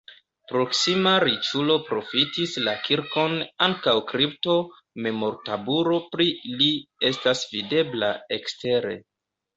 Proksima riĉulo profitis la kirkon ankaŭ kripto, memortabulo pri li estas videbla ekstere.